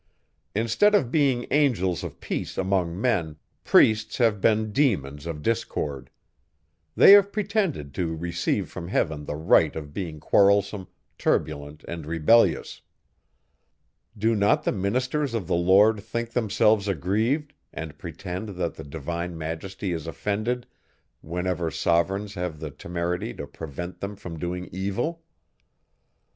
Instead of being angels of peace among men, priests have been demons of discord. They have pretended to receive from heaven the right of being quarrelsome, turbulent, and rebellious. Do not the ministers of the Lord think themselves aggrieved, and pretend that the divine Majesty is offended, whenever sovereigns have the temerity to prevent them from doing evil?